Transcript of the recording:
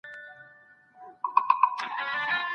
که هغه پاتې شي زه به ژوند ومومم.